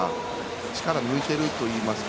力を抜いてるといいますか。